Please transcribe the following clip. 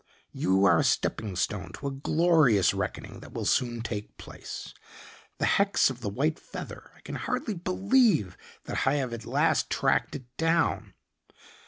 You are a stepping stone to a glorious reckoning that will soon take place. The hex of the white feather I can hardly believe that I have at last tracked it down.